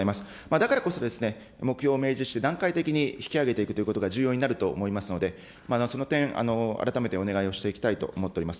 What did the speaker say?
だからこそ、目標を明示して、段階的に引き上げていくということが重要になると思いますので、その点、改めてお願いをしていきたいと思っております。